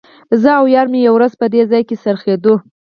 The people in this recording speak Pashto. زه او یار مې یوه ورځ په دې ځای کې څریدو.